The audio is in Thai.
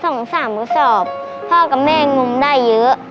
สองสามกระสอบพ่อกับแม่งมได้เยอะ